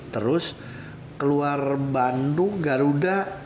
terus keluar bandung garuda